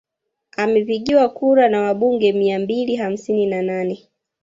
Amepigiwa kura na wabunge mia mbili hamsini na nane